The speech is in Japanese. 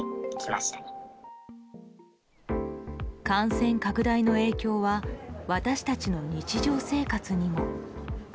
感染拡大の影響は私たちの日常生活にも。